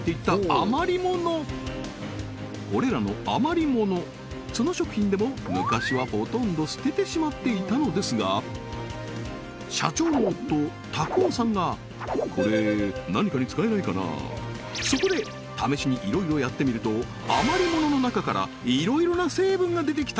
あまりものこれらのあまりもの築野食品でも昔はほとんど捨ててしまっていたのですが社長の夫卓夫さんがそこで試しにいろいろやってみるとあまりものの中からいろいろな成分が出てきた！